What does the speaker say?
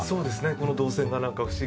この動線がなんか不思議と。